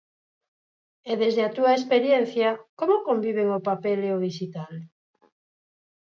E desde a túa experiencia, como conviven o papel e o dixital?